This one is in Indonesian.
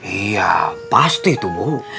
iya pasti tuh bu